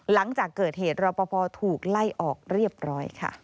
หลังจากเกิดเหตุรอปภถูกไล่ออกเรียบร้อยค่ะ